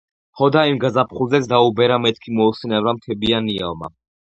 ჰოდა იმ გაზაფხულზეც დაუბერა-მეთქი მოუსვენარმა მთებია ნიავმა.